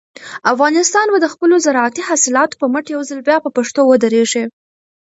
افغانستان به د خپلو زارعتي حاصلاتو په مټ یو ځل بیا په پښو ودرېږي.